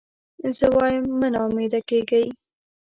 زه وایم مه نا امیده کېږی.